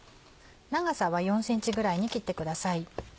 長さは４ｃｍぐらいに切ってください。